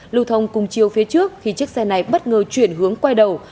lưu thông cùng chiều phía trước khi chiếc xe này bất ngờ chuyển hướng quay đầu